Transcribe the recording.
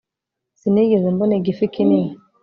sinigeze mbona igifi kinini